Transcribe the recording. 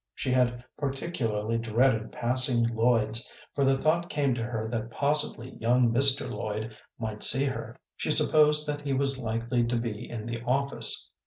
She had particularly dreaded passing Lloyd's, for the thought came to her that possibly young Mr. Lloyd might see her. She supposed that he was likely to be in the office.